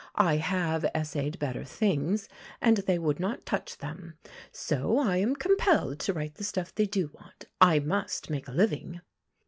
I have essayed better things, and they would not touch them. So I am compelled to write the stuff they do want. I must make a living."